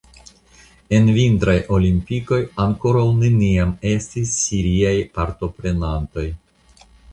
En vintraj olimpikoj ankoraŭ neniam estis siriaj partoprenantoj.